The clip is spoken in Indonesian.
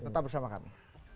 tetap bersama kami